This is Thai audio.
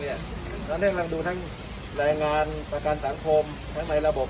ตอนนี้กำลังดูทั้งแรงงานประกันสังคมทั้งในระบบ